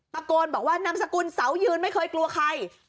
ตะโกนบอกว่านามสกุลเสายืนไม่เคยกลัวใคร